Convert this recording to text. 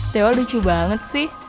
dewa lucu banget sih